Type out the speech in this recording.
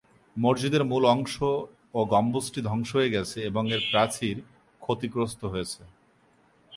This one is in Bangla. মসজিদের মূল অংশ ও গম্বুজটি ধ্বংস হয়ে গেছে এবং এর প্রাচীর ক্ষতিগ্রস্ত হয়েছে।